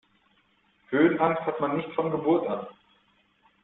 Höhenangst hat man nicht von Geburt an.